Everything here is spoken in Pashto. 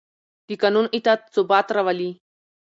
د قانون اطاعت ثبات راولي